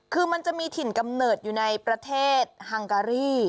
คือมันจะมีถิ่นกำเนิดอยู่ในประเทศฮังการี